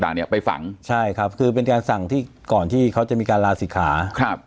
เนี่ยไปฝังใช่ครับคือเป็นการสั่งที่ก่อนที่เขาจะมีการลาศิกขาครับ